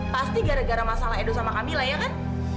pasti gara gara masalah edo sama kamila ya kan